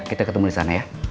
kita ketemu di sana ya